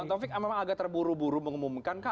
bang topik memang agak terburu buru mengumumkankah